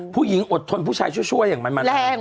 ผู้หญิงอดทนผู้ชายช่วยอย่างมัน